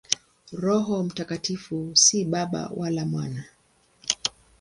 Roho Mtakatifu si Baba wala Mwana.